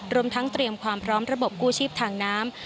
รวมทั้งเตรียมความพร้อมระบบกู้ชีพทางน้ำ